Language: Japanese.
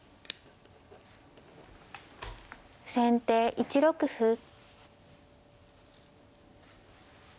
先手１六歩。